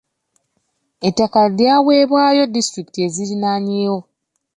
Ettaka lyaweebwayo disitulikiti eziriranyeewo.